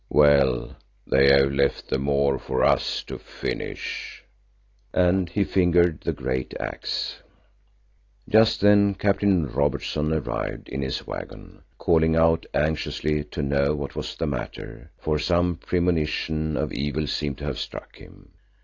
"Well, they have left the more for us to finish," and he fingered the great axe. Just then Captain Robertson arrived in his waggon, calling out anxiously to know what was the matter, for some premonition of evil seemed to have struck him.